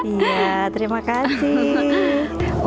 iya terima kasih